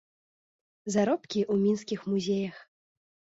Заробкі ў мінскіх музеях.